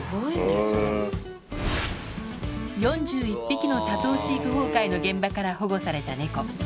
４１匹の多頭飼育崩壊の現場から保護された猫